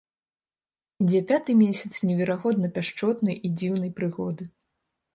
Ідзе пяты месяц неверагодна пяшчотнай і дзіўнай прыгоды.